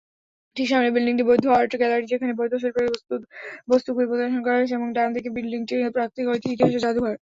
ঠিক সামনের বিল্ডিংটি বৌদ্ধ আর্ট গ্যালারি যেখানে বৌদ্ধ শিল্পের বস্তুগুলি প্রদর্শন করা হয়েছে এবং ডানদিকে বিল্ডিংটি প্রাকৃতিক ইতিহাসের যাদুঘর।